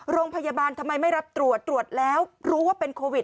โรงพยาบาลทำไมไม่รับตรวจตรวจแล้วรู้ว่าเป็นโควิด